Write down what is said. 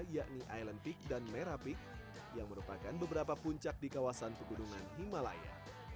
yakni island peak dan merah peak yang merupakan beberapa puncak di kawasan pegunungan himalaya